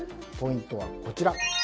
ポイントはこちら。